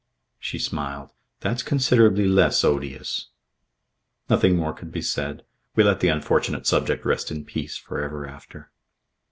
She smiled. "That's considerably less odious." Nothing more could be said. We let the unfortunate subject rest in peace for ever after.